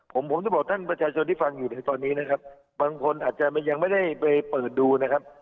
ผมผมจะบอกท่านประชาชนที่ฟังอยู่ในตอนนี้นะครับบางคนอาจจะยังไม่ได้ไปเปิดดูนะครับ